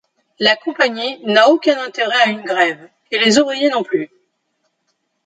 La Compagnie n’a aucun intérêt à une grève, et les ouvriers non plus.